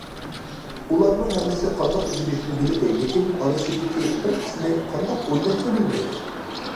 ئۇلارنىڭ ھەممىسى قانداق ئۆگىنىشنى بىلىدۇ، لېكىن ئارىسىدىكى بىر قىسمى قانداق ئويناشنى بىلمەيدۇ.